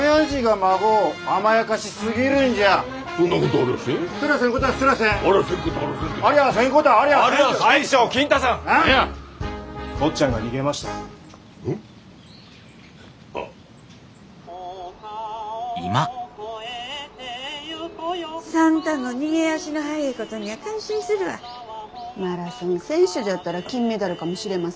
マラソン選手じゃったら金メダルかもしれませんけど。